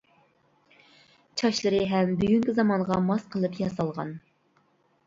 چاچلىرى ھەم بۈگۈنكى زامانغا ماس قىلىپ ياسالغان.